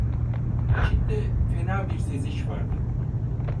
İçinde fena bir seziş vardı.